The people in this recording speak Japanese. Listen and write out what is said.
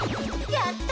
やった！